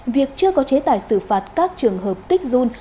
việc chưa có chế tài xử phạt các trường hợp kích run